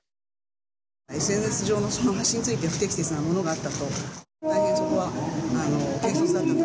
ＳＮＳ上の発信について不適切なものがあったと。